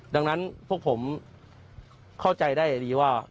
ดังนั้นพวกผมเข้าใจได้ดีว่า